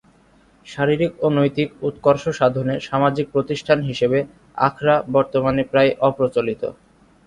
শারীরিক ও নৈতিক উৎকর্ষ সাধনে সামাজিক প্রতিষ্ঠান হিসেবে আখড়া বর্তমানে প্রায় অপ্রচলিত।